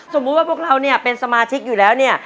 สมมุติว่าพวกเราเนี่ยเป็นสมาชิกอยู่แล้วเนี่ย